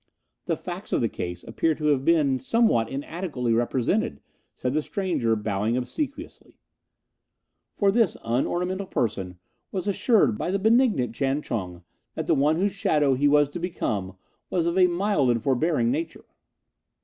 "The facts of the case appear to have been somewhat inadequately represented," said the stranger, bowing obsequiously, "for this unornamental person was assured by the benignant Chang ch'un that the one whose shadow he was to become was of a mild and forbearing nature."